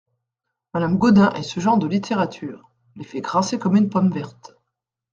Madame Gaudin Et ce genre de littérature … les fait grincer comme une pomme verte.